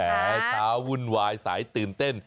เช้าวุ่นวายสายตื่นเต้น